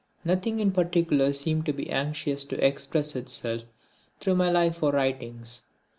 Nothing in particular seemed to be anxious to express itself through my life or writings.